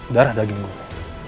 darah daging gue